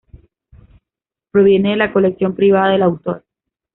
Proviene de la colección privada del autor.